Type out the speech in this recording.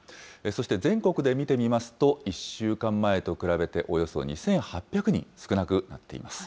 そして全国で見てみますと、１週間前と比べて、およそ２８００人少なくなっています。